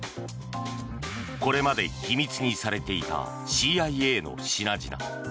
これまで秘密にされていたＣＩＡの品々。